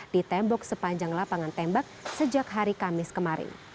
di tembok sepanjang lapangan tembak sejak hari kamis kemarin